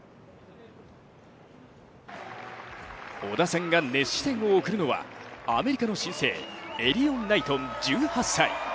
織田さんが熱視線を送るのはアメリカの新星エリヨン・ナイトン１８歳。